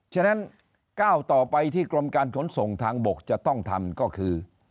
ฉะนั้นก้าวต่อไปที่กรมการขนส่งทางบกจะต้องทำก็คือ